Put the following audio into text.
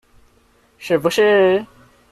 是不是